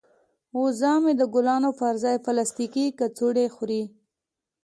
وزه مې د ګلانو پر ځای پلاستیکي کڅوړې خوري.